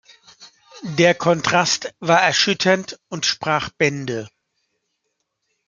Der Kontrast war erschütternd und sprach Bände.